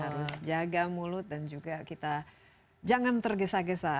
harus jaga mulut dan juga kita jangan tergesa gesa